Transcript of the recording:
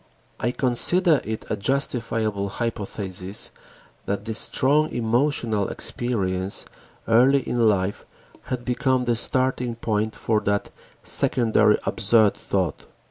I considered it a justifiable hypothesis that this strong emotional experience early in life had become the starting point for that secondary absurd thought.